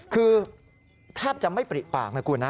คือแทบจะไม่ปริปากนะคุณนะ